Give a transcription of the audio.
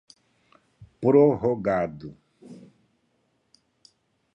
prorrogado